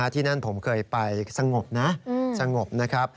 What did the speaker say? ที่นั่นผมเคยไปสงบนะ